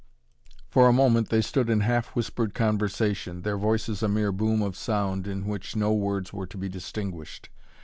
For a moment they stood in half whispered conversation, their voices a mere boom of sound in which no words were to be distinguished.